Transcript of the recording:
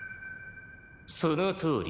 「そのとおり。